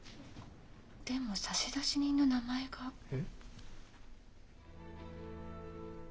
でも差出人の名前が。え？